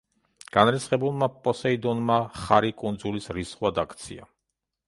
განრისხებულმა პოსეიდონმა ხარი კუნძულის რისხვად აქცია.